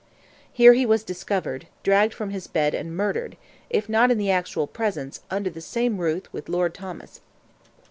Here he was discovered, dragged from his bed, and murdered, if not in the actual presence, under the same roof with Lord Thomas.